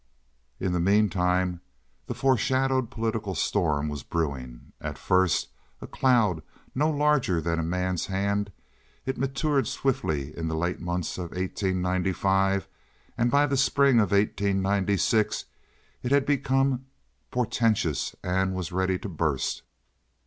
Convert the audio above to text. In the mean time the foreshadowed political storm was brewing. At first a cloud no larger than a man's hand, it matured swiftly in the late months of 1895, and by the spring of 1896 it had become portentous and was ready to burst.